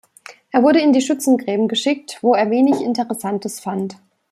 Er wurde in die Schützengräben geschickt, wo er wenig Interessantes fand.